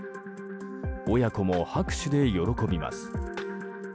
親子も拍手で喜びます。